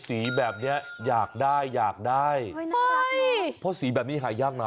สีแบบเนี้ยอยากได้อยากได้เพราะสีแบบนี้หายากนะ